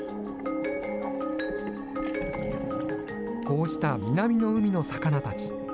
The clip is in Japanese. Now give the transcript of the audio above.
こうした南の海の魚たち。